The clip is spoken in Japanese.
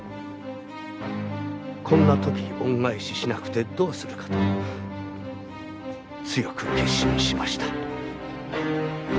こんな時恩返ししなくてどうするかと強く決心しました。